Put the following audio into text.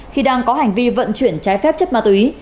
khi đang có hành vi vận chuyển trái phép chất ma túy